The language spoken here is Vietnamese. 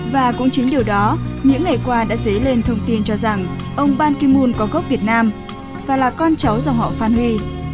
và cũng chính điều đó những ngày qua đã dấy lên thông tin cho rằng ông ban kim môn có gốc việt nam và là con cháu dòng họ phan huy